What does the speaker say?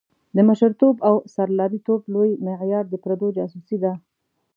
د مشرتوب او سرلاري توب لوی معیار د پردو جاسوسي ده.